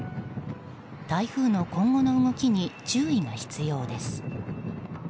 台風の今後の動きに注意が必要です。